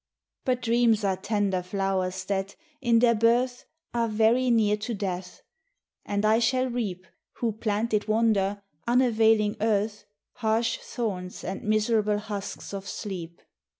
But dreams are tender flowers that in their birth Are very near to death, and I shall reap, Who planted wonder, unavailing earth, Harsh thorns and miserable husks of sleep.